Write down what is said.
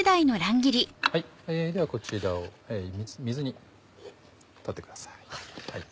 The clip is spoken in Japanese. ではこちらを水に取ってください。